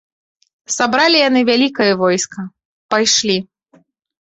Сабралі яны вялікае войска, пайшлі.